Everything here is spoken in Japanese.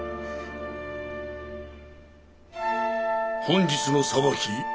本日の裁き